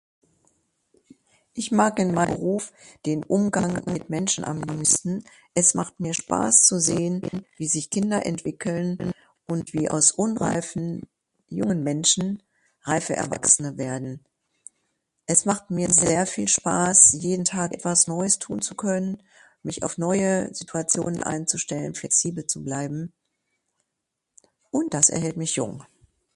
Ich mag in mein Beruf den Umgang mit Menschen am liebsten, es macht mir Spaß zu sehen wie sich Kinder entwickeln und wie aus unreifen jungen Menschen, reife Erwachsene werden. Es macht mir sehr viel Spaß jeden Tag etwas neues tun zu können, mich auf neue Situationen einzustellen, flexibel zu bleiben und das erhält mich jung.